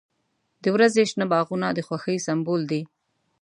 • د ورځې شنه باغونه د خوښۍ سمبول دی.